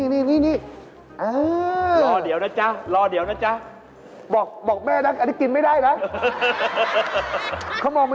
มันหนักกำลังมีความรักนะ